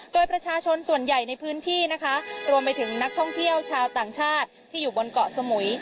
โดยประชาชนส่วนใหญ่ในพื้นที่นะคะรวมไปถึงนักท่องเที่ยวชาวต่างชาติที่อยู่บนเกาะสมุย